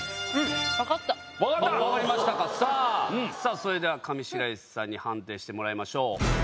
それでは上白石さんに判定してもらいましょう。